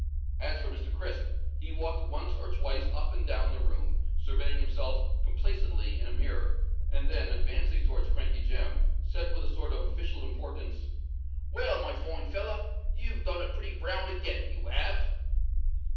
As for Mr. Crisp, he walked once or twice up and down the room, surveying himself complacently in a mirror, and then advancing towards Crankey Jem, said with a sort of official importance, "Well, my fine feller, you've done it pretty brown again—you have."